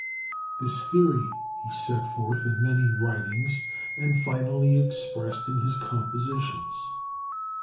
This theory he set forth in many writings, and finally expressed in his compositions.